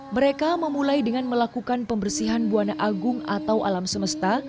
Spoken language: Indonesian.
mereka memulai dengan melakukan pembersihan buana agung atau alam semesta